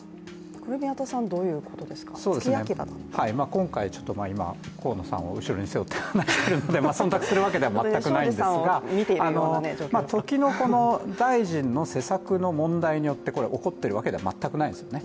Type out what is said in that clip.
今回、河野さんを後ろに背負って話しているので、そんたくするわけではないんですが時の大臣の施策の問題によってこれは起こっているわけでは全くないですよね。